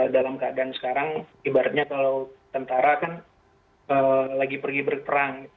dalam keadaan sekarang ibaratnya kalau tentara kan lagi pergi berperang